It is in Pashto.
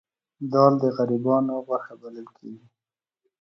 دال د غریبانو غوښه بلل کیږي